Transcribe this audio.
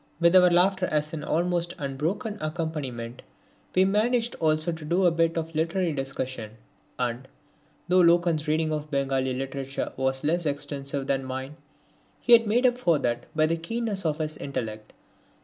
With our laughter as an almost unbroken accompaniment we managed also to do a bit of literary discussion, and, though Loken's reading of Bengali literature was less extensive than mine, he made up for that by the keenness of his intellect.